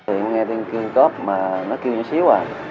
em nghe tiếng kêu cớp mà nó kêu một xíu à